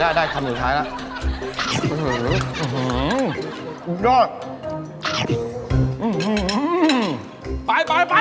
อะได้คำสุดข้างไหนละ